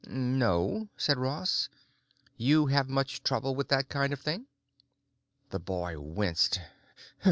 "No," said Ross. "You have much trouble with that kind of thing?" The boy winced.